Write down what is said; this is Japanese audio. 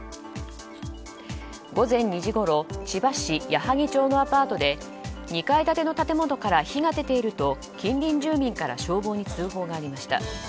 午前２時ごろ、千葉市矢作町のアパートで２階建ての建物から火が出ていると近隣住民から消防に通報がありました。